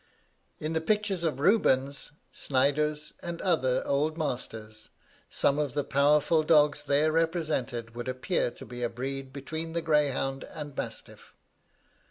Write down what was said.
In the pictures of Rubens, Snyders, and other old masters, some of the powerful dogs there represented would appear to be a breed between the greyhound and mastiff.